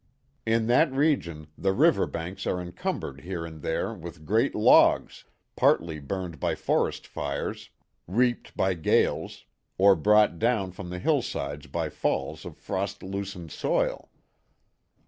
In that region, the river banks are encumbered here and there with great logs, partly burned by forest fires, reaped by gales, or brought down from the hill sides by falls of frost loosened soil.